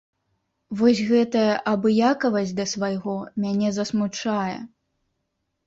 Вось гэтая абыякавасць да свайго мяне засмучае.